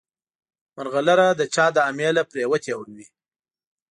مرغلره د چا له امیله پرېوتې وي.